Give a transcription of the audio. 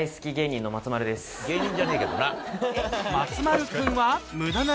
芸人じゃねえけどな。